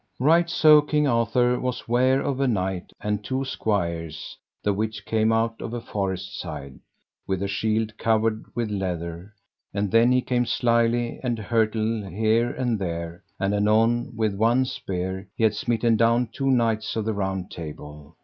Right so King Arthur was ware of a knight and two squires, the which came out of a forest side, with a shield covered with leather, and then he came slyly and hurtled here and there, and anon with one spear he had smitten down two knights of the Round Table.